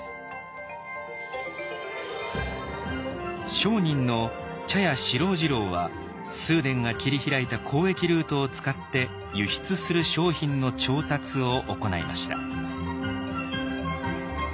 商人の茶屋四郎次郎は崇伝が切り開いた交易ルートを使って輸出する商品の調達を行いました。